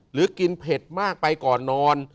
หรือกินเผ็ดมากไปก่อนนอน